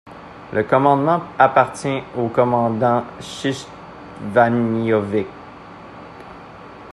Le commandement appartient au commandant Chichtvanionov.